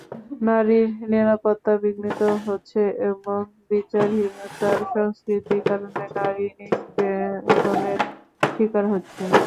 নারীর নিরাপত্তা বিঘ্নিত হচ্ছে এবং বিচারহীনতার সংস্কৃতির কারণে নারী নিষ্পেষণের শিকার হচ্ছে।